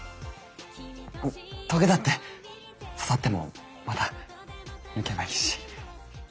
棘だって刺さってもまた抜けばいいし。